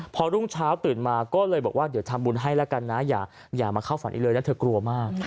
พอรุ่งเช้าตื่นมาก็เลยบอกว่าเดี๋ยวทำบุญให้แล้วกันนะอย่ามาเข้าฝันอีกเลยนะเธอกลัวมาก